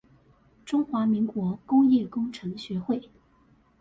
中華民國工業工程學會